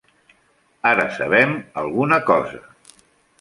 Ara sabem alguna cosa.